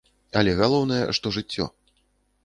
Але галоўнае, што жыццё.